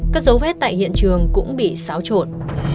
các dấu vết tại hiện trường cũng bị xáo trộn